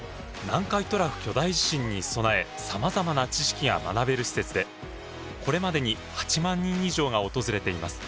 南海トラフ巨大地震に備え様々な知識が学べる施設でこれまでに８万人以上が訪れています。